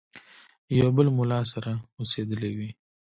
یو بل مُلا سره اوسېدلی وي.